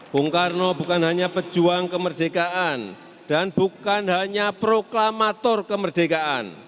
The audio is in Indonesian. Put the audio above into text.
bung karno bukan hanya pejuang kemerdekaan dan bukan hanya proklamator kemerdekaan